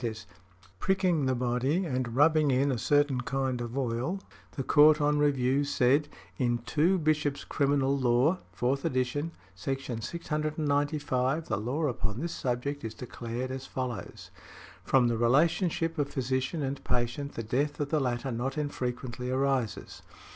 e._, pricking the body and rubbing in a certain kind of oil, the Court on review said: "In 2 Bishop's Criminal Law, (4th Ed.) sec. 695, the law upon this subject is declared as follows: 'From the relationship of physician and patient the death of the latter not unfrequently arises.